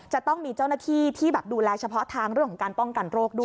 จะต้องมีเจ้าหน้าที่ที่แบบดูแลเฉพาะทางเรื่องของการป้องกันโรคด้วย